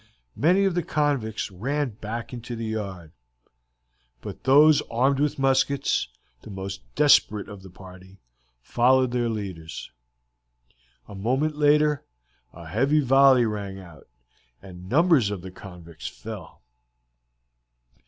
Many of the convicts ran back into the yard; but those armed with muskets, the more desperate of the party, followed their leaders. A moment later a heavy volley rang out, and numbers of the convicts fell.